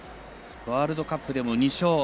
ワールドカップでも２勝。